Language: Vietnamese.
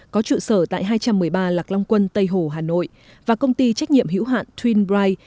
có trụ sở tại hai trăm một mươi ba lạc long quân tây hồ hà nội và công ty trách nhiệm hữu hạn thunbright